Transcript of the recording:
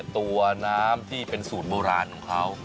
ตัวน้ำที่เป็นสูตรโบราณของเขา